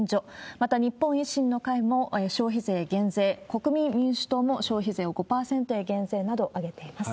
また日本維新の会も消費税減税、国民民主党も消費税を５％減税などを挙げています。